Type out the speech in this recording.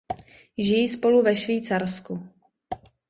Žijí spolu ve Švýcarsku.